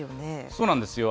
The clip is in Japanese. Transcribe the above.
そうなんですよ。